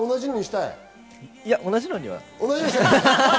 いや、同じなのには。